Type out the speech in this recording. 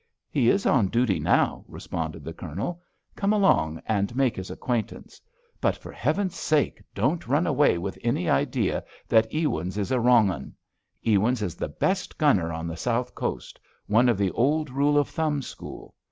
"He is on duty now," responded the Colonel. "Come along and make his acquaintance. But, for Heaven's sake, don't run away with any idea that Ewins is a wrong 'un. Ewins is the best gunner on the South Coast, one of the old rule of thumb school.